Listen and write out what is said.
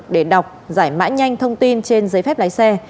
để đọc giải mã nhanh thông tin trên giấy phép lái xe